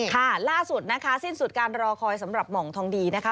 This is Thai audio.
ล่าสุดนะคะสิ้นสุดการรอคอยสำหรับหม่องทองดีนะคะ